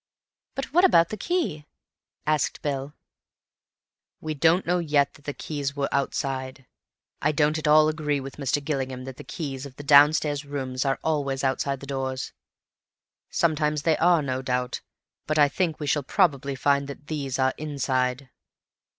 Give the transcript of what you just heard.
"But what about the key?" asked Bill. "We don't know yet that the keys were outside. I don't at all agree with Mr. Gillingham that the keys of the down stairs rooms are always outside the doors. Sometimes they are, no doubt; but I think we shall probably find that these are inside."